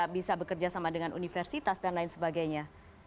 bisa bekerja sama dengan universitas dan lain sebagainya